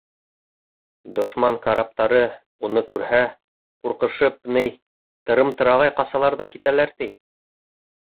Дошман караптары, уны күрһә, ҡурҡышып, ни, тырым-тырағай ҡасалар ҙа китәләр, ти.